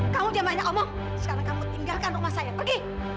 kalau dia banyak omong sekarang kamu tinggalkan rumah saya pergi